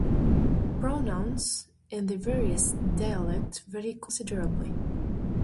Pronouns in the various dialects vary considerably.